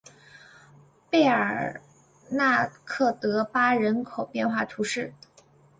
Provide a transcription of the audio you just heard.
贝尔纳克德巴人口变化图示